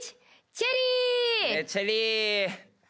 チェリー！